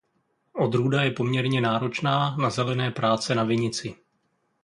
Odrůda je poměrně náročná na zelené práce na vinici.